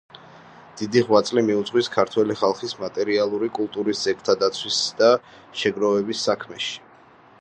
დიდი ღვაწლი მიუძღვის ქართველი ხალხის მატერიალური კულტურის ძეგლთა დაცვისა და შეგროვების საქმეში.